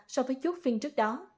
so với chút phiên trước đó